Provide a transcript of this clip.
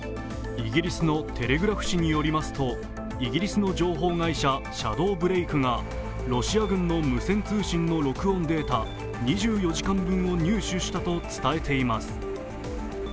イギリスの「テレグラフ」紙によりますとイギリスの情報会社シャドーブレイクがロシア軍の無線通信の録音データ２４時間分を入手したと伝えています。